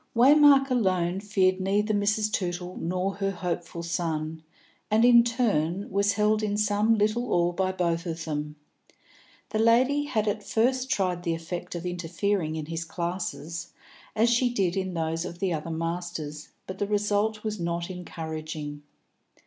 Waymark alone feared neither Mrs. Tootle nor her hopeful son, and, in turn, was held in some little awe by both of them. The lady had at first tried the effect of interfering in his classes, as she did in those of the other masters, but the result was not encouraging.